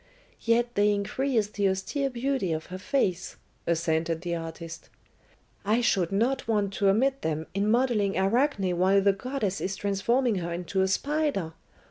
"Yet they increase the austere beauty of her face," assented the artist. "I should not want to omit them in modelling Arachne while the goddess is transforming her into a spider!